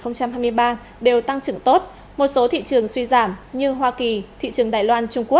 năm nay nhờ thời tiết thuận lợi